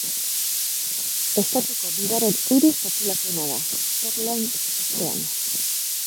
Estatuko bigarren hiri populatuena da, Portland ostean.